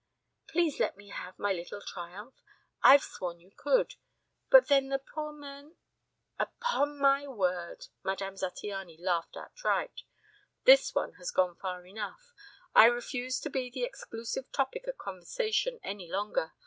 Please let me have my little triumph. I've sworn you could. And then the poor men " "Upon my word!" Madame Zattiany laughed outright. "This has gone far enough. I refuse to be the exclusive topic of conversation any longer.